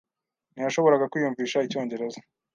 Ntiyashoboraga kwiyumvisha icyongereza.